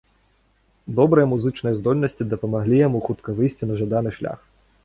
Добрыя музычныя здольнасці дапамаглі яму хутка выйсці на жаданы шлях.